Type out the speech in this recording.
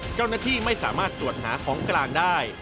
เจ้าหน้าที่ไม่สามารถตรวจหาของกลางได้